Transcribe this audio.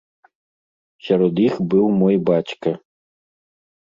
Сярод іх быў мой бацька.